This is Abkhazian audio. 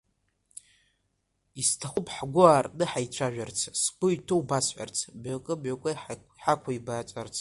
Исҭахуп ҳгәы аартны ҳаицәажәарц, сгәы иҭоу басҳәарц, мҩакы-мҩакы ҳақәибаҵарц.